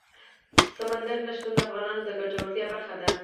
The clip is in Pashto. سمندر نه شتون د افغانانو د ګټورتیا برخه ده.